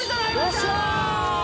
よっしゃー！